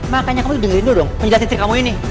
makanya kamu juga lindungi dong menjelaskan citra kamu ini